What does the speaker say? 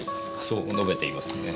そう述べていますね。